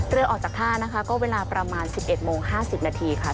เรือออกจากท่านะคะก็เวลาประมาณ๑๑โมง๕๐นาทีค่ะ